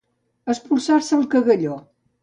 Espolsar-se el cagalló